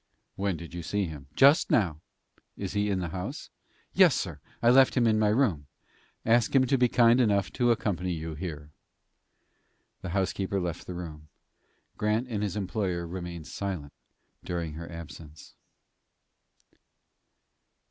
"When did you see him?" "Just now." "Is he in the house?" "Yes, sir. I left him in my room." "Ask him to be kind enough to accompany you here." The housekeeper left the room. Grant and his employer remained silent during her absence.